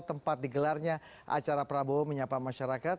tempat digelarnya acara prabowo menyapa masyarakat